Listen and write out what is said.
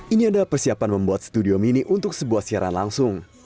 ini adalah persiapan membuat studio mini untuk sebuah siaran langsung